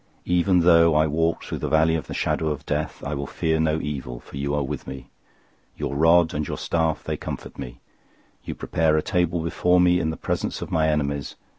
023:004 Even though I walk through the valley of the shadow of death, I will fear no evil, for you are with me. Your rod and your staff, they comfort me. 023:005 You prepare a table before me in the presence of my enemies.